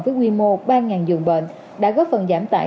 với quy mô ba giường bệnh đã góp phần giảm tải